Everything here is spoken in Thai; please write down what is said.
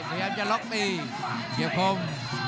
พยายามจะล็อคปีเกี่ยวพรม